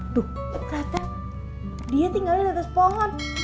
duh kata dia tinggal di atas pohon